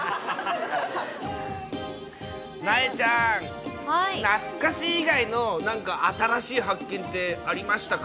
なえちゃん、懐かしい以外のなんか新しい発見ってありましたか？